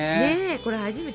これ初めて。